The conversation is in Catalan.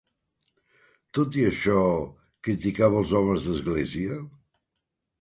Tot i això, criticava els homes d'Església?